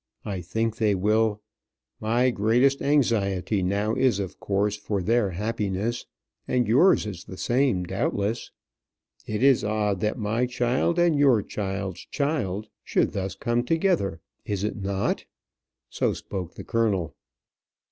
I think they will; my greatest anxiety now is of course for their happiness; and yours is the same, doubtless. It is odd that my child and your child's child should thus come together, is it not?" so spoke the colonel. Mr.